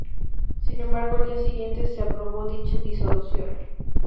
Sin embargo, al día siguiente se aprobó dicha disolución.